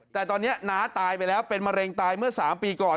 แต่ตอนนี้น้าตายไปแล้วเป็นมะเร็งตายเมื่อ๓ปีก่อน